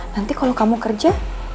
nanti kalau kamu kerja